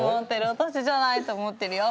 私じゃないと思ってるよ。